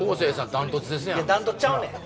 断トツちゃうねん！